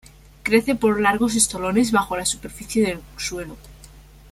Crece por largos estolones bajo la superficie del suelo.